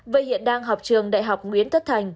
vậy hiện đang học trường đại học nguyễn thất thành